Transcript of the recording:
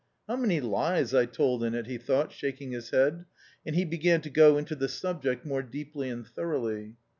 " How many lies I told in it," he thought, shaking his head, and he began to go into the subject more deeply and thoroughly.